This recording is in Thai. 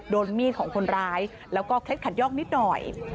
โดนมีดของคนร้ายแล้วก็เคล็ดขัดยอกนิดหน่อย